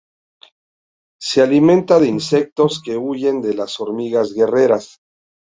Se alimenta de insectos que huyen de las hormigas guerreras.